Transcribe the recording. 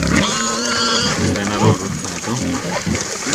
Asénaro rutzane tú.